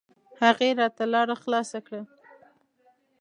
هغې راته لاره خلاصه کړه.